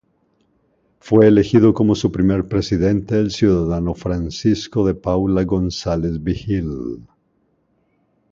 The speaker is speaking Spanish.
Fue elegido como su primer presidente el ciudadano Francisco de Paula González Vigil.